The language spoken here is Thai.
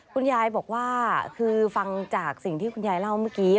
คุณยายบอกว่าคือฟังจากสิ่งที่คุณยายเล่าเมื่อกี้